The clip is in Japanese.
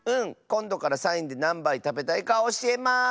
こんどからサインでなんばいたべたいかおしえます！